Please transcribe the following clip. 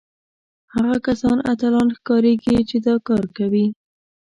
هغه کسان اتلان ښکارېږي چې دا کار کوي